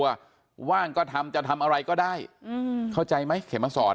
ว่างก็ทำจะทำอะไรก็ได้เข้าใจไหมเขมมาสอน